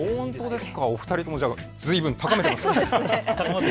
お二人ともずいぶん高めていますね。